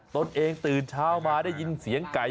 ตนเองตื่นเช้ามาได้ยินเสียงไก่